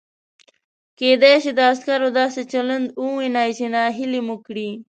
کېدای شي د عسکرو داسې چلند ووینئ چې نهیلي مو کړي.